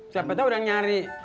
siapa tahu udah nyari